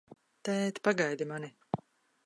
Tēt, pagaidi mani!